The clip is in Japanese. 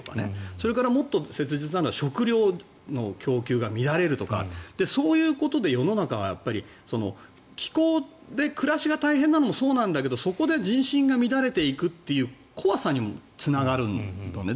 それからもっと切実なのは食料の供給が乱れるとかそういうことで、世の中は気候で暮らしが大変なのもそうなんだけどそこで人心が乱れていくという怖さにもつながるんだよね。